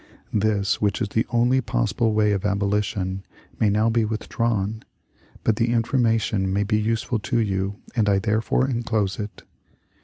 This, which is the only possible way of abolition, may now be withdrawn, but the information may be useful to you and I therefore enclose it.